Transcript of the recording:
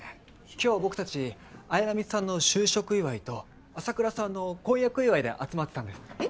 今日僕たち綾波さんの就職祝いと朝倉さんの婚約祝いで集まってたんです。